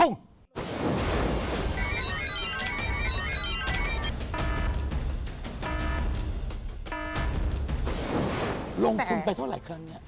ลงทุนไปเท่าไหร่ครั้งนี้